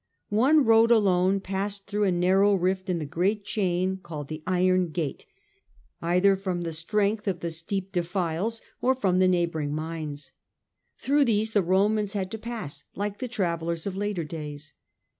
One road alone passed vania, through a narrow rift in the great chain, called the Iron Gate, either from the strength of the steep defiles or from the neighbouring mines. Through these the Romans had to pass, like the travellers of later days.